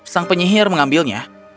sang penyihir mengambilnya